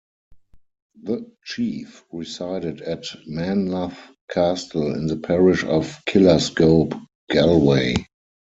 The chief resided at Menlough Castle, in the parish of Killascobe, Galway.